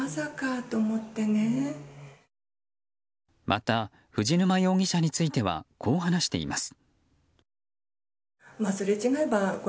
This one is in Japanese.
また藤沼容疑者についてはこう話しています。